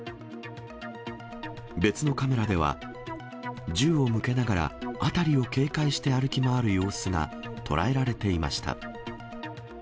別のカメラでは、銃を向けながら辺りを警戒して歩き回る様子が捉えられていました。